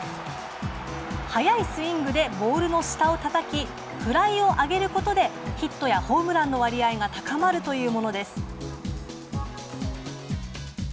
速いスイングでボールの下をたたきフライを上げる事でヒットやホームランの割合が高まるというものです。